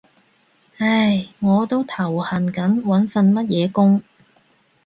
唉，我都頭痕緊揾份乜嘢工